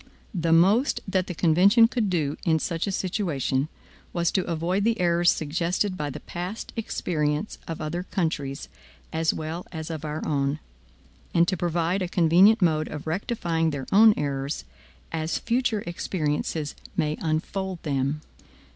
The most that the convention could do in such a situation, was to avoid the errors suggested by the past experience of other countries, as well as of our own; and to provide a convenient mode of rectifying their own errors, as future experiences may unfold them.